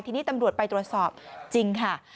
ทีนี้ตำรวจไปตรวจสอบจริงค่ะ